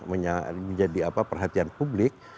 menjadi perhatian publik